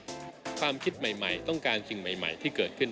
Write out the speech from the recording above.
ความคิดใหม่ต้องการสิ่งใหม่ที่เกิดขึ้น